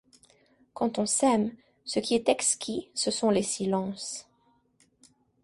Quand on s’aime, ce qui est exquis, ce sont les silences.